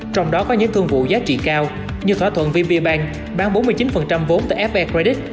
trong đó có những thương vụ giá trị cao như thỏa thuận vb bank bán bốn mươi chín vốn từ fb credit